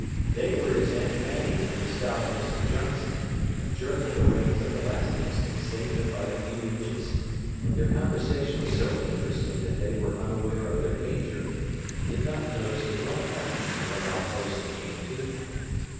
They were his Aunt Fanny and the stout Mrs. Johnson; a jerk of the reins at the last instant saved them by a few inches; but their conversation was so interesting that they were unaware of their danger, and did not notice the runabout, nor how close it came to them.